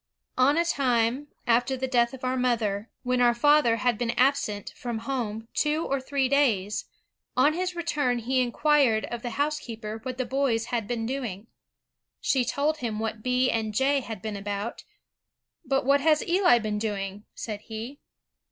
On a time, after the death of our mother, when our father had been absent from home two or three days, on his return he inquired of the housekeeper what the boys had been doing. She told him what B. and J. had been about. 'But what has Eli been doing?' said he.